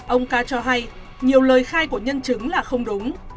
ông ca cho hay nhiều lời khai của nhân chứng là không đúng